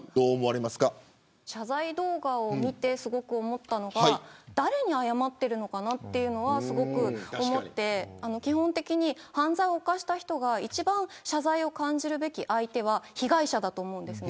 謝罪動画を見て誰に謝っているのかなというのはすごく思って基本的に犯罪を犯した人が一番謝罪を感じるべき相手は被害者だと思うんです。